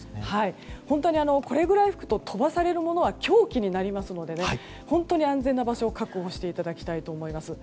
本当にこれぐらい吹くと飛ばされるものは凶器になりますので本当に安全な場所を確保していただきたいと思います。